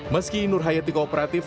meski nur hayati keoperasi